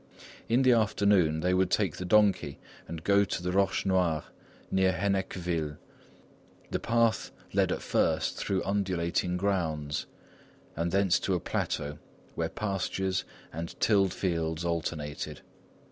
In the afternoon, they would take the donkey and go to the Roches Noires, near Hennequeville. The path led at first through undulating grounds, and thence to a plateau, where pastures and tilled fields alternated.